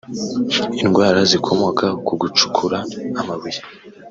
indwara zikomoka ku gucukura amabuye